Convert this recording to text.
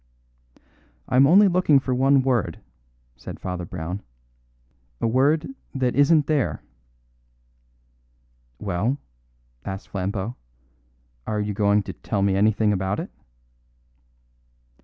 "I am only looking for one word," said Father Brown. "A word that isn't there." "Well," asked Flambeau; "are you going to tell me anything about it?"